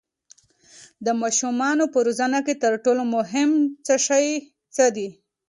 د ماشومانو په روزنه کې تر ټولو مهم شی څه دی؟